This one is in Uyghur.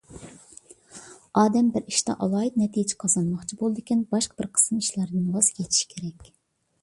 ئادەم بىر ئىشتا ئالاھىدە نەتىجە قازانماقچى بولىدىكەن، باشقا بىر قىسىم ئىشلاردىن ۋاز كېچىشى كېرەك.